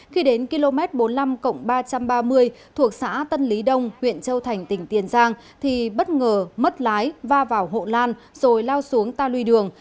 khi đến km bốn mươi năm ba trăm ba mươi thuộc xã tân lý đông huyện châu thành tỉnh tiền giang thì bất ngờ mất lái va vào hộ lan rồi lao xuống ta lùi đường